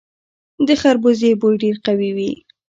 د خربوزې بوی ډیر قوي وي.